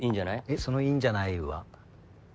えっそのいいんじゃないは？